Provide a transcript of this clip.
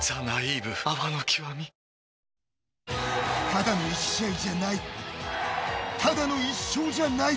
ただの１試合じゃない。